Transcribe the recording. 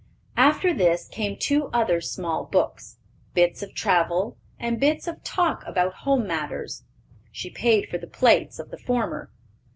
After this came two other small books, Bits of Travel and Bits of Talk about Home Matters. She paid for the plates of the former.